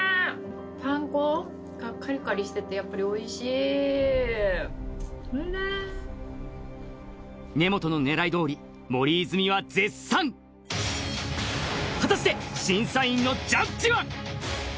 パン粉がカリカリしててやっぱりおいしいほら根本の狙いどおり森泉は絶賛果たして審査員のジャッジは？